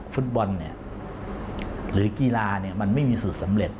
ฟุตบอลเนี่ยหรือกีฬามันไม่มีสูตรสำเร็จ